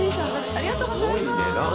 ありがとうございます。